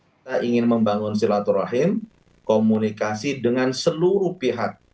kita ingin membangun silaturahim komunikasi dengan seluruh pihak